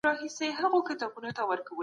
که وچکالي نه وای، قحطي به نه راتله.